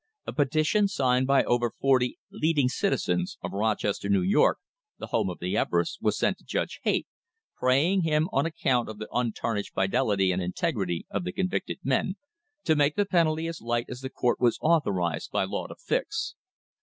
A petition signed by over forty "lead ing citizens" of Rochester, New York, the home of the Ever ests, was sent to Judge Haight, praying him, on account of the "untarnished fidelity and integrity" of the convicted men, to make the penalty as light as the court was authorised by law to fix.